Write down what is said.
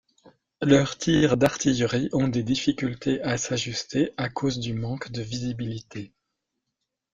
Leurs tirs d'artillerie ont des difficultés à s'ajuster à cause du manque de visibilité.